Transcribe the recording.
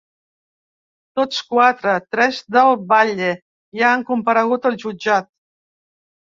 Tots quatre, tret del batlle, ja han comparegut al jutjat.